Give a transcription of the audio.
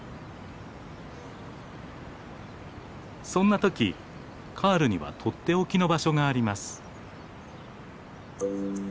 そんなときカールには取って置きの場所があります。